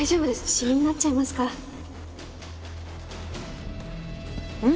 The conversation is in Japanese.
シミになっちゃいますからうん？